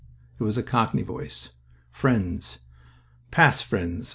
It was a cockney voice. "Friends." "Pass, friends.